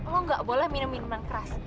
lo gak boleh minum minuman keras